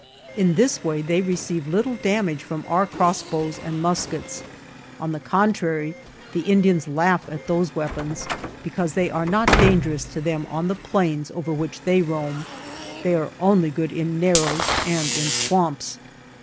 In this way they re ceive little damage from our crossbows and 121 THE JOURNEY OF muskets. On the contrary, the Indians laugh at those weapons, because they are not dangerous to them on the plains over which they roam. They are only good in narrows and in swamps.